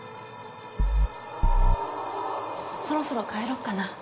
そろそろ帰ろうかな。